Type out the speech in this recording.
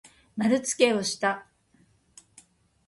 まるつけをした。